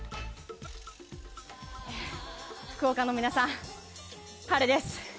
福岡の皆さん、晴れです。